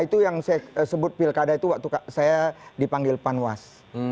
itu yang saya sebut pilkada itu waktu saya dipanggil panwas